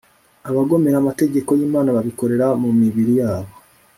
abagomera amategeko y'imana babikorera mu mibiri yabo